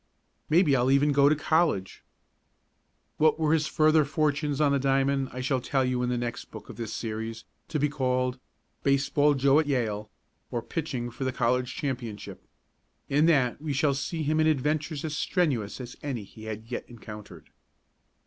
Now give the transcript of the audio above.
"Maybe I'll even go to college." What were his further fortunes on the diamond I shall tell you in the next book of this series, to be called: "Baseball Joe at Yale; or Pitching for the College Championship." In that we shall see him in adventures as strenuous as any he had yet encountered.